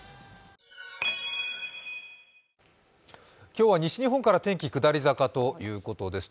今日は西日本から天気、下り坂ということです。